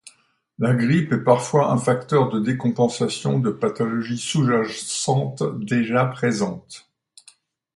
La grippe est parfois un facteur de décompensation de pathologies sous-jacentes déjà présentes.